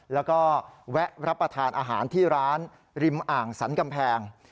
แล้วก็แวะรับประทานอาหารที่ร้านริมอ่างสรรกำแพง